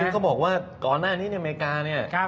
เขาบอกว่าก่อนหน้านี้อเมริกาเนี่ย